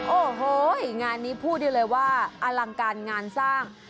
โอ้โหงานนี้พูดได้เลยว่าอลังการงานสร้าง